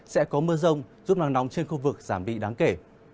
sẽ có mưa rông giúp nắng nóng trên khu vực giảm bị đáng kể